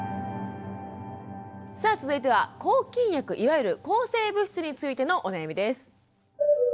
さあ続いては抗菌薬いわゆる抗生物質についてのお悩みです。